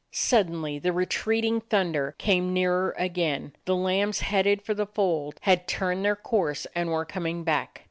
Suddenly the retreating thunder came nearer again. The lambs headed for the fold had turned their course and were coming back.